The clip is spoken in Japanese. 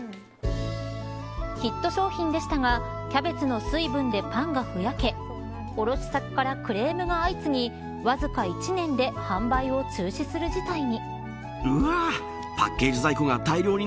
ヒット商品でしたがキャベツの水分でパンがふやけ卸し先からクレームが相次ぎわずか１年で販売を中止する事態に。